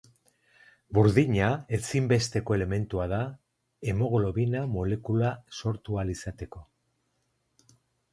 Burdina ezinbesteko elementua da hemoglobina molekula sortu ahal izateko.